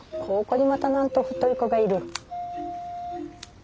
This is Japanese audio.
ここにまたなんと太い子がいる。